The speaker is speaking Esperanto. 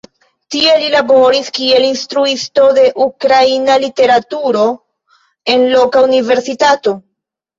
Tie li laboris kiel instruisto de ukraina literaturo en loka universitato.